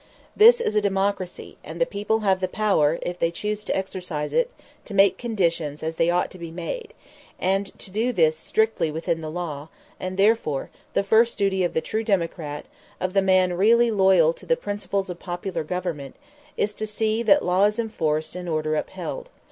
This is a democracy, and the people have the power, if they choose to exercise it, to make conditions as they ought to be made, and to do this strictly within the law; and therefore the first duty of the true democrat, of the man really loyal to the principles of popular government, is to see that law is enforced and order upheld.